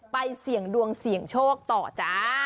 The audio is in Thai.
เสี่ยงดวงเสี่ยงโชคต่อจ้า